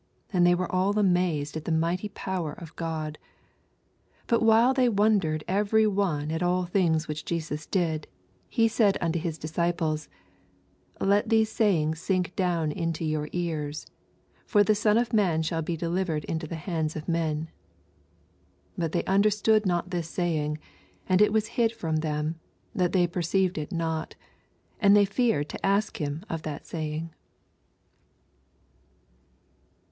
43 And they were all amazed at the mighty power of God. But while they wondered every one at all things which Jesus did, he said unto his disciples, 44 Xet these sayings sink down int« your ears : for the Son of man shall be delivered into the hands of men. 45 But they understood not this saying, and it was hid from them, that they perceived it not : and they feared to ask him of that saying.